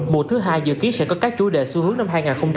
mùa thứ hai dự kiến sẽ có các chủ đề xu hướng năm hai nghìn hai mươi ba